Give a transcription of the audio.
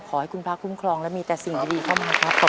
ขอให้คุณพระคุ้มครองและมีแต่สิ่งดีเข้ามาครับ